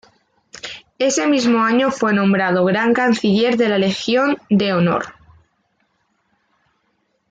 Ese mismo año fue nombrado gran canciller de la Legión de Honor.